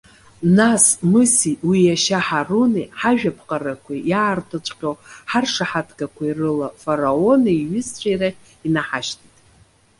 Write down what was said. Нас, Мысеи уи иашьа Ҳаруни, ҳажәаԥҟарақәеи, иаартыҵәҟьоу ҳаршаҳаҭгақәеи рыла Фараони иҩызцәеи рахь инаҳашьҭит.